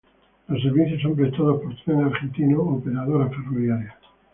Los servicios son prestados por Trenes Argentinos Operadora Ferroviaria.